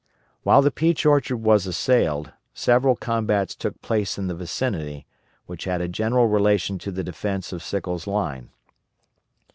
While the Peach Orchard was assailed, several combats took place in the vicinity, which had a general relation to the defence of Sickles' line.